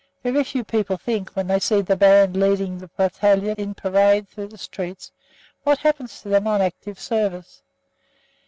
Very few people think, when they see the band leading the battalion in parade through the streets, what happens to them on active service.